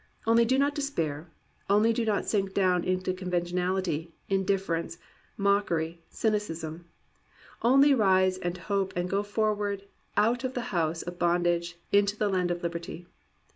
Only do not despair; only do not sink down into conventionality, indifference, mockery, cyni cism; only rise and hope and go forward out of the house of bondage into the land of liberty.